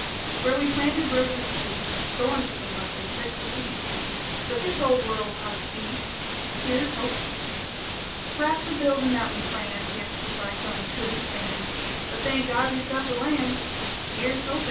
Where we planted roses sweet Thorns come up an' pricked the feet; But this old world's hard to beat, Here's hopin'! P'r'aps the buildin' that we planned 'Gainst the cyclone couldn't stand; But, thank God we've got the land, Here's hopin'!